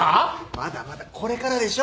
まだまだこれからでしょ。